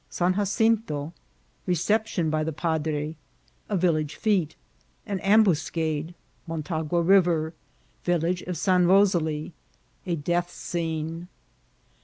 — San Jacinto— Reoaption by tha Padra.— A Tillaga F^.— An Ambiia cada.— Motagoa River. Yillaga of San Roaalia.— A Death Scene.